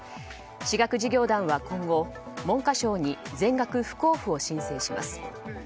私学事業団は今後、文科省に全額不交付を申請します。